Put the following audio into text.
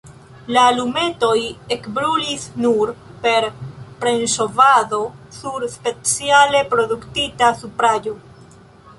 La alumetoj ekbrulis nur per premŝovado sur speciale produktita supraĵo.